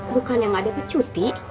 bukannya gak ada pecuti